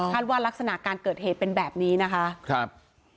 ว่ารักษณะการเกิดเหตุเป็นแบบนี้นะคะครับ